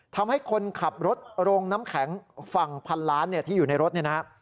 ทำให้คนขับรถโรงน้ำแข็งฝั่งพันล้านที่อยู่ในรถเนี่ยนะฮะ